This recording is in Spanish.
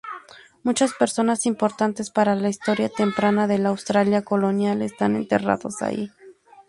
Muchas personas importantes para la historia temprana de la Australia colonial están enterrados allí.